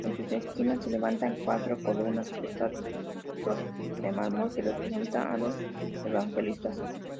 En sus esquinas se levantan cuatro columnas-estatuas, de mármol, que representan a los evangelistas.